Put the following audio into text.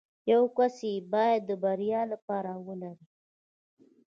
يو کس يې بايد د بريا لپاره ولري.